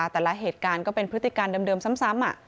แต่ละเหตุการณ์ก็เป็นพฤติการเดิมซ้ำ